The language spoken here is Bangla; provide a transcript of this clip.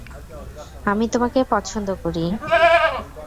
আমি তোমাকে পছন্দ করি।